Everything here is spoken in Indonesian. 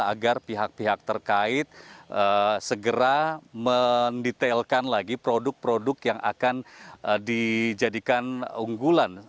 agar pihak pihak terkait segera mendetailkan lagi produk produk yang akan dijadikan unggulan